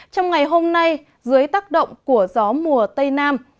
trong ngày hôm nay dưới tác động của gió mùa tây nam